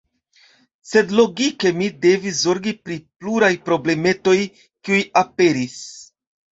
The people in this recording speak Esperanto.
Sed logike mi devis zorgi pri pluraj problemetoj, kiuj aperis.